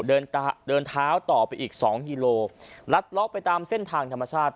เดินเดินเท้าต่อไปอีกสองกิโลลัดล็อกไปตามเส้นทางธรรมชาติ